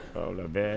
kalau udah baik